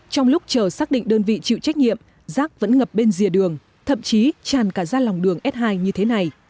trong lúc chờ xác định đơn vị chịu trách nhiệm rác vẫn ngập bên rìa đường thậm chí tràn cả ra lòng đường s hai như thế này